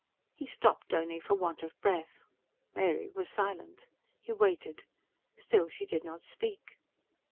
He stopped only for want of breath. Mary was silent. He waited. Still she did not speak.